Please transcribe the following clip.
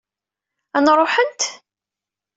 Ad n-ruḥent?